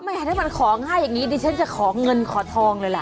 ถ้ามันของง่ายอย่างนี้ดิฉันจะขอเงินขอทองเลยล่ะ